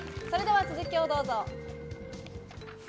それでは続きをどうぞ。